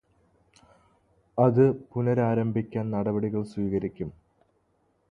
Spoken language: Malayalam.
അത് പുനഃരാരംഭിക്കാൻ നടപടികൾ സ്വീകരിക്കും.